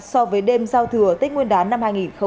so với đêm giao thừa tết nguyên đán năm hai nghìn hai mươi